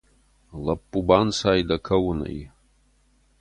Лӕппу, банцай дӕ кӕуынӕй!